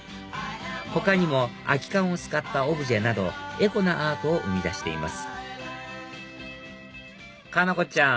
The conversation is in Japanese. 他にも空き缶を使ったオブジェなどエコなアートを生み出しています佳菜子ちゃん